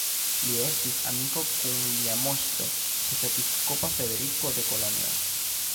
Li estis amiko kun lia moŝto ĉefepiskopa Frederiko de Kolonjo.